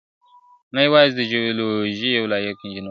نه یوازي د جیولوجي یو لایق انجنیر وو `